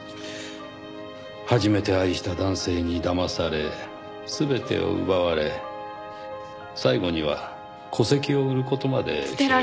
初めて愛した男性にだまされ全てを奪われ最後には戸籍を売る事まで強要。